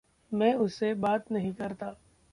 मैं उससे बात नहीं करता।